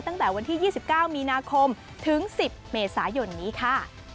ตั้งแต่วันที่๒๙มีนาคมถึง๑๐เมษายนนี้ค่ะ